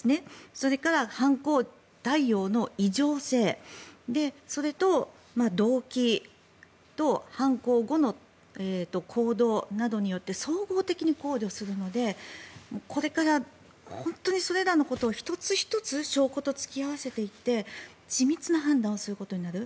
それから犯行態様の異常性それと動機と犯行後の行動などによって総合的に考慮するのでこれから本当にそれらのことを１つ１つ証拠と突き合わせていって緻密な判断をすることになる。